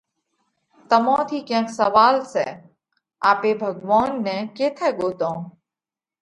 تمون ٿِي ڪينڪ سوئال سئہ؟ آپي ڀڳوونَ نئہ ڪيٿئہ ڳوتونه؟